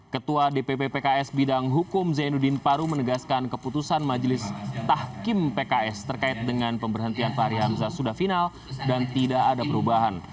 ketua dpp pks bidang hukum zainuddin paru menegaskan keputusan majelis tahkim pks terkait dengan pemberhentian fahri hamzah sudah final dan tidak ada perubahan